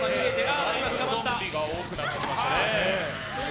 ゾンビが多くなってきましたね。